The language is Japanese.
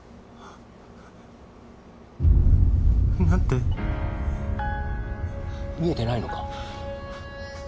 なんで見えてないのか？